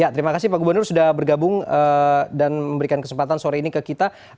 terima kasih pak gubernur sudah bergabung dan memberikan kesempatan sore ini ke kita